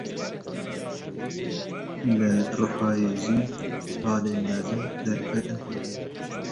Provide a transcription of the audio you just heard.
Li Rihayê jî çalên mezin derketin holê